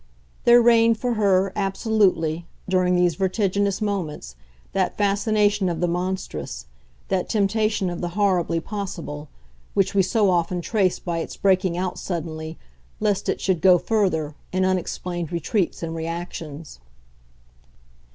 There reigned for her, absolutely, during these vertiginous moments, that fascination of the monstrous, that temptation of the horribly possible, which we so often trace by its breaking out suddenly, lest it should go further, in unexplained retreats and reactions.